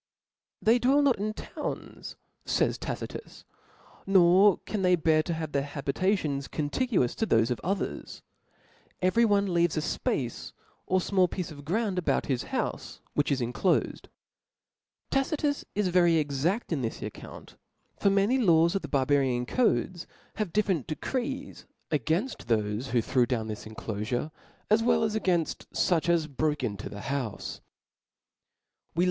." They dwell not in townSj fays * Tacrtus, nor ^ can they bear to have their habitatbns contiguous *^ to thofe of others ; every one leaves a fpace or *^ fmall piece of gr6und about his houfc, which is *^ inclofed." Tacitus is very exaft in this account ; f6r many laws of the (^) Barbarian codes have (') The different decrees againft thofe who threw down thfsr au,^^J,^^ enclofure, as well ai againft fuch as broke into the ^r